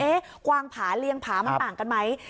กวางผาเลี้ยงผามันต่างกันไหม